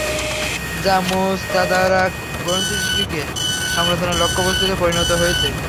যা মুস্তাদরাক গ্রন্থটিকে সমালোচনার লক্ষ্যবস্তুতে পরিণত করেছে।